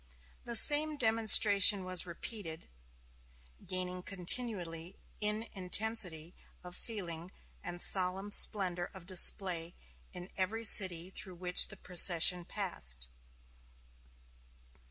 The same demonstration was repeated, gaining continually in intensity of feeling and solemn splendor of display, in every city through which the procession passed.